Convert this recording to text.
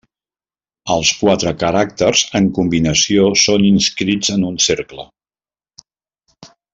Els quatre caràcters en combinació són inscrits en un cercle.